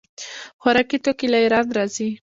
خوراکي توکي له ایران راځي.